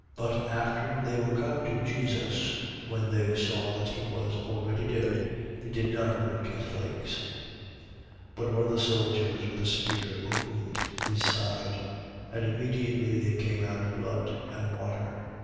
19:33. But after they were come to Jesus, when they saw that he was already dead, they did not break his legs. 19:34. But one of the soldiers with a spear opened his side: and immediately there came out blood and water.